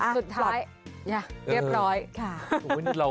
สุดท้ายเรียบร้อยค่ะ